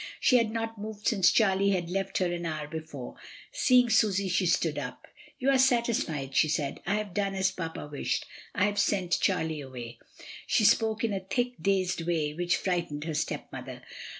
She had not moved since Charlie had left her an hour before. Seeing Susy she looked up. "You are satisfied," she said; "I have done as papa wished. I have sent Charlie away." She spoke in a thick, dazed way, which fright ened her stepmother.